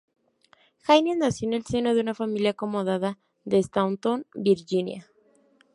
Haines nació en el seno de una familia acomodada de Staunton, Virginia.